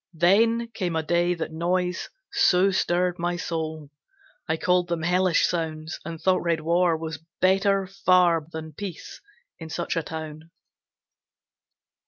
Then came a day that noise so stirred my soul, I called them hellish sounds, and thought red war Was better far than peace in such a town.